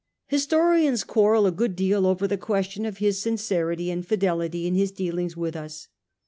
Historians quarrel a good deal over the ques tion of his sincerity and fidelity in his dealings with us.